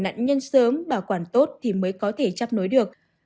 nạn nhân sớm bảo quản tốt thì mới có thể chấp nối được